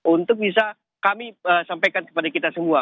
untuk bisa kami sampaikan kepada kita semua